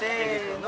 の